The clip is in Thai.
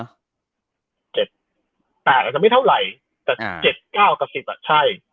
อาจจะไม่เท่าไหร่แต่๗๙กับ๑๐อ่ะใช่